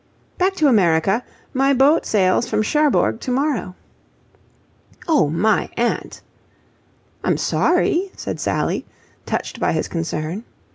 "Back to America. My boat sails from Cherbourg tomorrow." "Oh, my aunt!" "I'm sorry," said Sally, touched by his concern.